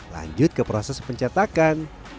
lanjut ke proses pencetakan